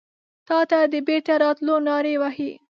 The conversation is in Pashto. تاته د بیرته راتلو نارې وهې